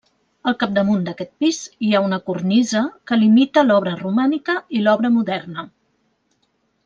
Al capdamunt d'aquest pis hi ha una cornisa que limita l'obra romànica i l'obra moderna.